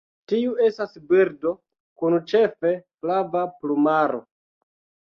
Tiu estas birdo, kun ĉefe flava plumaro.